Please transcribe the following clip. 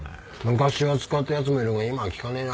昔は使った奴もいるが今は聞かねえな。